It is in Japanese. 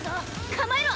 構えろ！